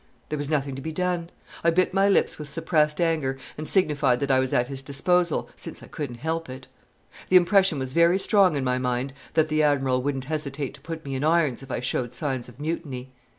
There was nothing to be done. I bit my lips with suppressed anger, and signified that I was at his disposal, since I couldn't help it. The impression was very strong in my mind that the Admiral wouldn't hesitate to put me in irons if I showed signs of mutiny.